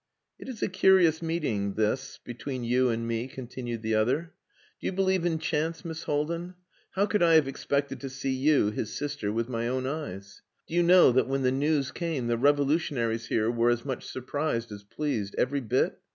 "It is a curious meeting this between you and me," continued the other. "Do you believe in chance, Miss Haldin? How could I have expected to see you, his sister, with my own eyes? Do you know that when the news came the revolutionaries here were as much surprised as pleased, every bit?